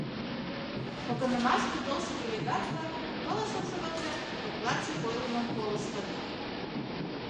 Погынымашке толшо делегат-влак, пылышым шогалтен, докладчик ойлымым колыштыт.